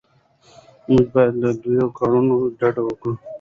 موږ باید له دې کارونو ډډه وکړو.